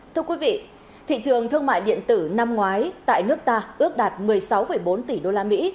thưa quý vị thị trường thương mại điện tử năm ngoái tại nước ta ước đạt một mươi sáu bốn tỷ đồng